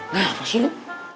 nah apa sih ini